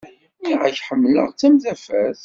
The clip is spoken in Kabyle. Niɣ-ak ḥemlaɣ-tt am tafat.